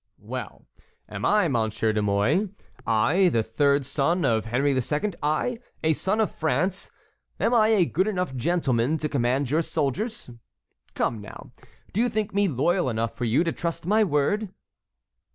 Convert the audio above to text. "Well, am I, Monsieur de Mouy, I, the third son of Henry II., I, a son of France, am I a good enough gentleman to command your soldiers? Come, now; do you think me loyal enough for you to trust my word?"